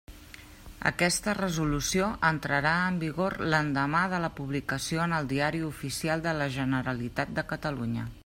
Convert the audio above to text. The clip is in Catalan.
Aquesta resolució entrarà en vigor l'endemà de la publicació en el Diari Oficial de la Generalitat de Catalunya.